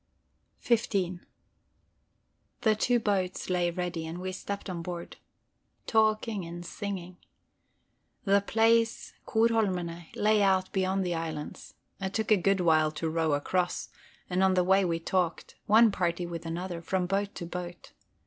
XV The two boats lay ready, and we stepped on board. Talking and singing. The place, Korholmerne, lay out beyond the islands; it took a good while to row across, and on the way we talked, one party with another, from boat to boat.